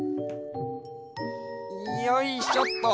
よいしょっと！